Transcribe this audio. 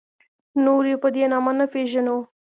نور یې په دې نامه نه پېژنو.